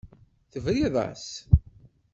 Tebriḍ-as.